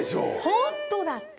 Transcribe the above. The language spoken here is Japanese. ホントだって！